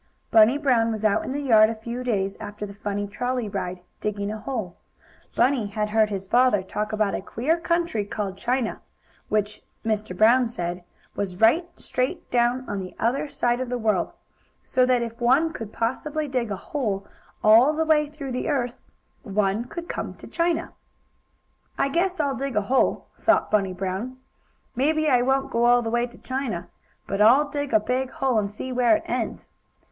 Bunny Brown was out in the yard, a few days after the funny trolley ride, digging a hole. Bunny had heard his father talk about a queer country called China, which, Mr. Brown said, was right straight down on the other side of the world, so that if one could possibly dig a hole all the way through the earth, one would come to China. "I guess I'll dig a hole," thought Bunny Blown. "Maybe I won't go all the way to China, but I'll dig a big hole, and see where it ends.